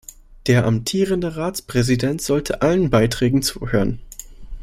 Der amtierende Ratspräsident sollte allen Beiträgen zuhören.